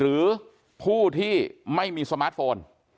หรือผู้ที่ไม่มีสมาร์ทโฟน